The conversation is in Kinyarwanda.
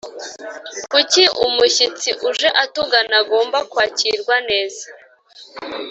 Kuki umushyitsi uje atugana agomba kwakirwa neza?